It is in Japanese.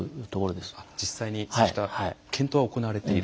実際にそうした検討は行われている。